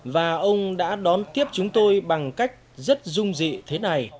và ông đã đón tiếp chúng tôi bằng cách rất rung dị thế này